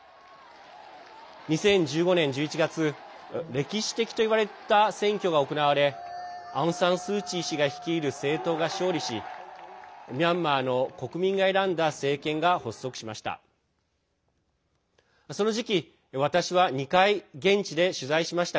２０１５年１１月歴史的といわれた選挙が行われアウン・サン・スー・チー氏が率いる政党が勝利しミャンマーの国民が選んだ政権が発足しました。